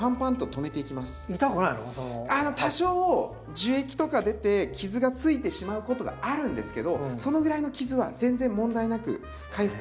あの多少樹液とか出て傷がついてしまうことがあるんですけどそのぐらいの傷は全然問題なく回復していくので。